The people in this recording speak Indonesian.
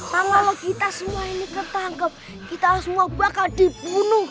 kalau kita semua ini ketangkep kita semua bakal dibunuh